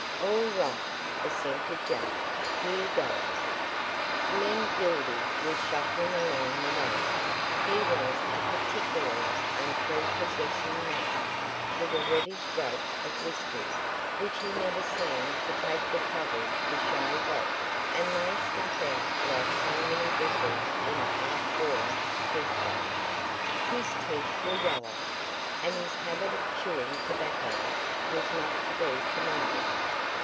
"All right," assented Jack. "Here goes." Lem Gildy was shuffling along the road. He was a particularly unprepossessing man, with a reddish growth of whiskers which he never seemed to take the trouble to shave off, and they stuck out like so many bristles in a half worn toothbrush. His teeth were yellow, and his habit of chewing tobacco was not to be commended.